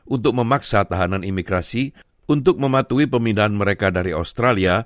untuk memaksa tahanan imigrasi untuk mematuhi pemindahan mereka dari australia